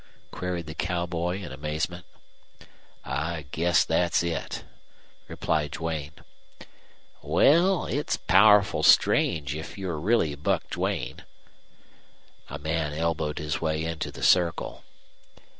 queried the cowboy in amazement. "I guess that's it," replied Duane. "Well, it's powerful strange, if you're really Buck Duane." A man elbowed his way into the circle.